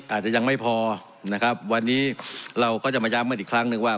อาจจะยังไม่พอนะครับวันนี้เราก็จะมาย้ำกันอีกครั้งหนึ่งว่า